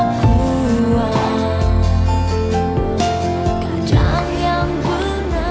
kadang yang benar bisa cari salam